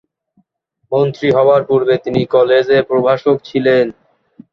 মন্ত্রী হবার পূর্বে তিনি কলেজে প্রভাষক ছিলেন।